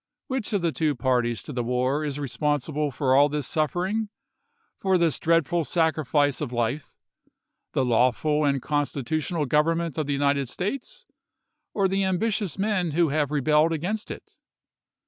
Which of the two parties to the war is responsible for all this suffering, for this dreadful sacrifice of life ; the lawful and constitutional Government of the United States, or the ambitious men who have rebelled against it?